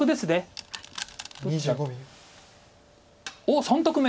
おっ３択目。